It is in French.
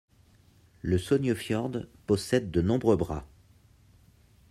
Le Sognefjord possède de nombreux bras.